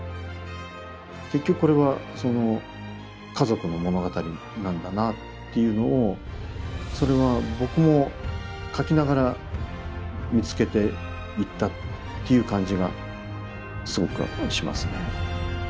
結局これはその家族の物語なんだなっていうのをそれは僕も書きながら見つけていったっていう感じがすごくしますね。